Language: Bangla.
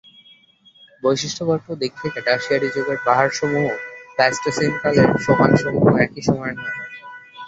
বৈশিষ্ট্যগত দিক থেকে টারশিয়ারি যুগের পাহাড়সমূহ এবং প্লাইস্টোসিন কালের সোপানসমূহ একই সময়ের নয়।